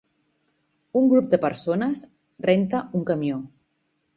Un grup de persones renta un camió.